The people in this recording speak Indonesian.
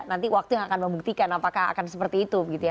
nanti waktu yang akan membuktikan apakah akan seperti itu